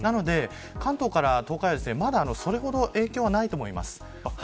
関東から東海はまだそれほど影響はないと思います。